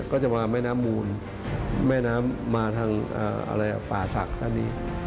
ก็จะมาแม่น้ำมูลแม่น้ำมาทางป่าศักดิ์ท่านนี้